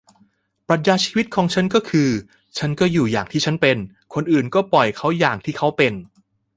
ปรัชญาชีวิตของฉันก็คือ ฉันก็อยู่อย่างที่ฉันเป็น คนอื่นก็ปล่อยเขาอย่างที่เขาเป็น